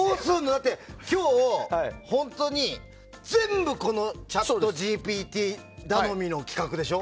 だって今日、本当に全部このＣｈａｔＧＰＴ頼みの企画でしょ。